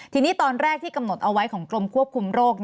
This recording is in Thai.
ทีนี้ตอนแรกที่กำหนดเอาไว้ของกรมควบคุมโรค